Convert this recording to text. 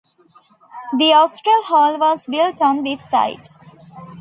The Austral Hall was built on this site.